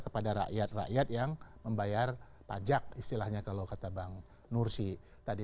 kepada rakyat rakyat yang membayar pajak istilahnya kalau kata bang nursi tadi